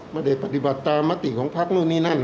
ไม่ได้ปฏิบัติตามติของภาคนู่นนี่นั่น